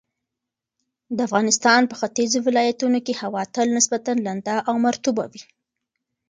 د افغانستان په ختیځو ولایتونو کې هوا تل نسبتاً لنده او مرطوبه وي.